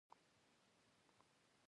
موږ باید د واقعي انتخاب ځواک زیات کړو.